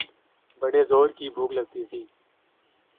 بڑے زورکی بھوک لگی تھی۔